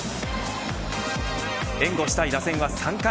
援護したい打線は３回。